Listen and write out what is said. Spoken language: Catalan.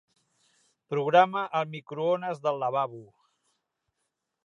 Programa el microones del lavabo.